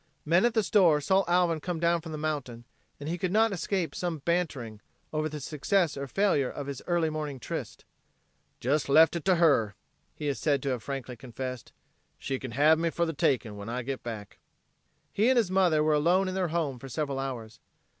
Men at the store saw Alvin come down from the mountain and he could not escape some banterings over the success or failure of his early morning tryst. "Jes left it to her," he is said to have frankly confessed, "she can have me for the takin' when I git back." He and his mother were alone in their home for several hours.